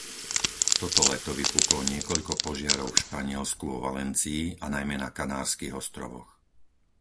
Toto leto vypuklo niekoľko požiarov v Španielsku vo Valencii, a najmä na Kanárskych ostrovoch.